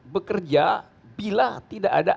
bekerja bila tidak ada